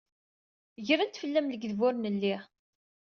Gren-d fell-am lekdeb ur nelli.